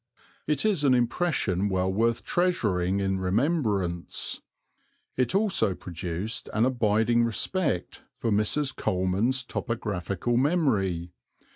It is an impression well worth treasuring in remembrance. It also produced an abiding respect for Mrs. Coleman's topographical memory.